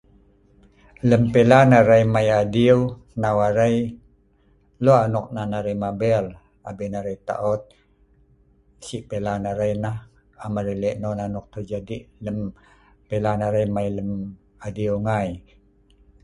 Lem pilan arai mei adieu, hnau arai, lok nok nan arai mabeil, abin arai taot, si pilan arai neh, am arai lek non terjadi lem pelan arai mei adieu ngai